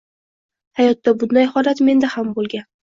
Hayotda bunday holat menda ham bo‘lgan.